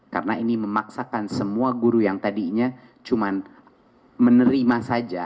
karena ini memaksakan semua guru yang tadinya cuma menerima saja